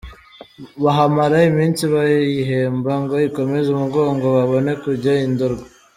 Bahamara iminsi bayihemba ngo ikomeze umugongo babone kujya i Ndorwa.